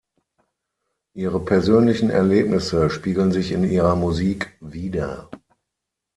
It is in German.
Ihre persönlichen Erlebnisse spiegeln sich in ihrer Musik wider.